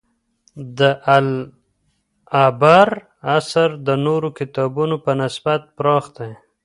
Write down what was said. د «العِبر» اثر د نورو کتابونو په نسبت پراخ دی.